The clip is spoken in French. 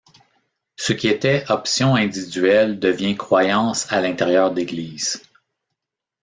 Ce qui était option individuelle devient croyance à l'intérieur d'églises.